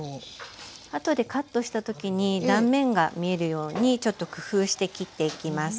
あとでカットした時に断面が見えるようにちょっと工夫して切っていきます。